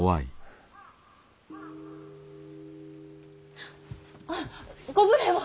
はあっご無礼を。